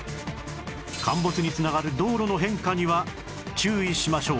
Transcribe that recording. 陥没に繋がる道路の変化には注意しましょう